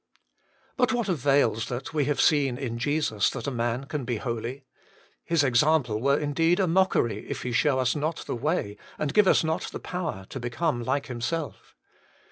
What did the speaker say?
3. But what avails that we have seen in Jesus that a man can be holy ? His example were indeed a mockery if He show us not the way, and give us not the power, to become like Himself.